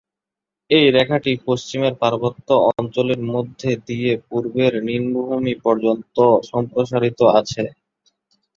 এই রেখাটি পশ্চিমের পার্বত্য অঞ্চলের মধ্য দিয়ে পূর্বের নিম্নভূমি পর্যন্ত প্রসারিত আছে।